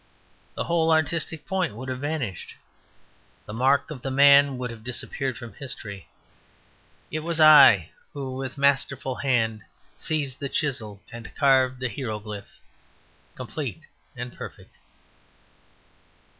The whole artistic point would have vanished. The Mark of the Man would have disappeared from history. It was I who with a masterful hand seized the chisel and carved the hieroglyph complete and perfect.